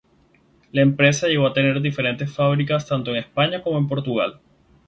La empresa llegó a tener diferentes fábricas tanto en España como en Portugal.